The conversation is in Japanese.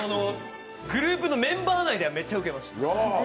グループのメンバー内ではめっちゃウケます。